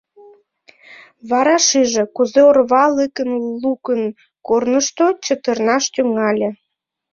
Вара шиже, кузе орва лыкын-лукын корнышто чытырнаш тӱҥале.